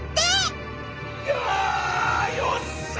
よっしゃ！